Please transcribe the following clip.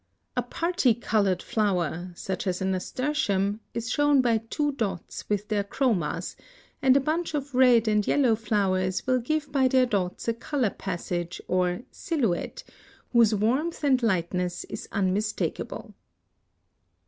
A parti colored flower, such as a nasturtium, is shown by two dots with their chromas, and a bunch of red and yellow flowers will give by their dots a color passage, or "silhouette," whose warmth and lightness is unmistakable.